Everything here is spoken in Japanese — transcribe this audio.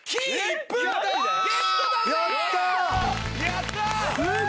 やったー！